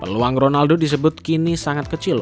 peluang ronaldo disebut kini sangat kecil